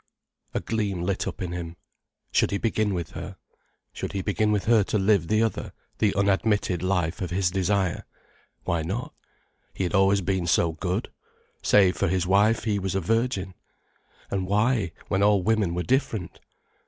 A gleam lit up in him: should he begin with her? Should he begin with her to live the other, the unadmitted life of his desire? Why not? He had always been so good. Save for his wife, he was a virgin. And why, when all women were different?